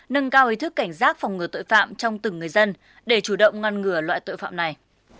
nâng cao ý thức cảnh giác phòng ngừa tội phạm trong từng người dân để chủ động ngăn ngừa loại tội phạm này